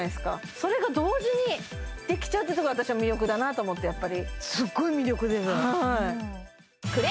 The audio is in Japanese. それが同時にできちゃうってところが私は魅力だなと思ってやっぱりすっごい魅力ですよ